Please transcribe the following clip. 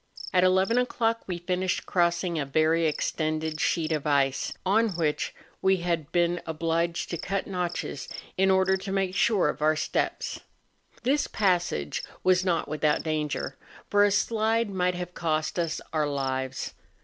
At eleven o'clock we finished crossing a very extended sheet of ice on which we had been obliged to cut notches in order to make sure of our steps. CHIMBORAZO. 295 This passage was not without danger, for a slide might have cost us our lives.